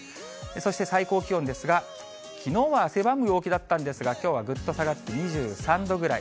そして最高気温ですが、きのうは汗ばむ陽気だったんですが、きょうはぐっと下がって２３度ぐらい。